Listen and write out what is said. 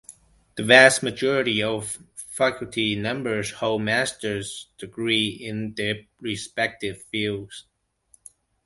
The vast majority of faculty members hold Master's Degrees in their respective fields.